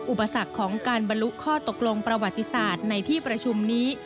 อุปสรรคของการบรรลุข้อตกลงประวัติศาสตร์ในที่ประชุมนี้